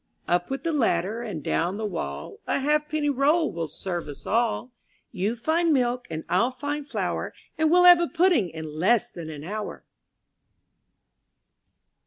| Up with the ladder and down the wall, A halfpenny roll will serve us all. You find milk and I'll find flour, And we'll have a pudding in less than an hour.